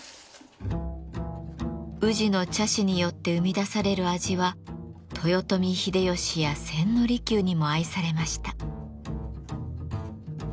宇治の茶師によって生み出される味は豊臣秀吉や千利休にも愛されました。